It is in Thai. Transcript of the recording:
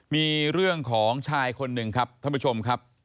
มีเรื่องของชายคนหนึ่งครับท่านผู้ชมครับ